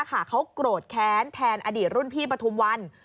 เขาโกรธแค้นแทนอดีตรุ่นพี่ปฐุมวัน